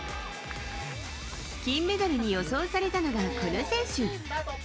金メダルに予想されたのがこの選手。